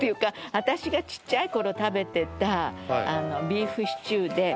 私がちっちゃい頃食べてたビーフシチューで。